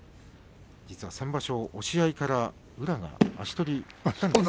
実は先場所押し合いから足取り。